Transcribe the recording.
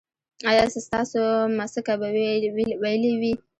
ایا ستاسو مسکه به ویلې وي؟